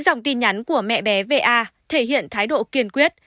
dòng tin nhắn của mẹ bé va thể hiện thái độ kiên quyết